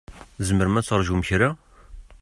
Tzemrem ad terǧum kra?